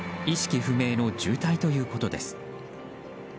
意識不明の重体ということです。